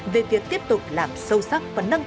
về việc tiếp tục làm sâu sắc và nâng